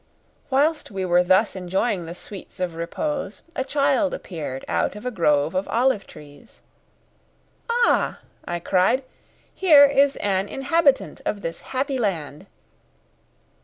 Whilst we were thus enjoying the sweets of repose a child appeared out of a grove of olive trees. "Ah!" I cried, "here is an inhabitant of this happy land!"